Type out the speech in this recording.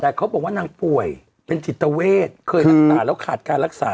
แต่เขาบอกว่านางป่วยเป็นจิตเวทเคยรักษาแล้วขาดการรักษา